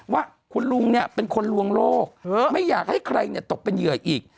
ว่าคุณลุงเนี่ยเป็นคนลวงโลกไม่อยากให้ใครตกเป็นเหยื่ออีก